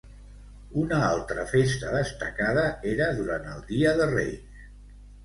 Una altra festa destacada era durant el dia de Reis.